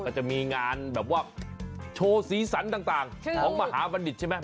ก็จะมีงานแบบว่าโชว์สีสันต่างของมหาบัณฑิตใช่ไหม